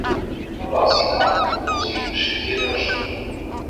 Arī štābā zināja, ko nozīmē šī dziedāšana.